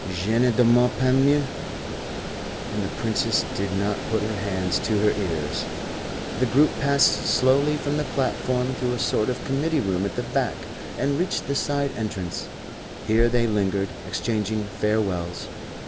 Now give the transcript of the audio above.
Je ne demande pas mieux." And the Princess did not put her hands to her ears. The group passed slowly from the platform through a sort of committee room at the back, and reached the side entrance, Here they lingered, exchanging farewells.